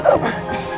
satu dua tiga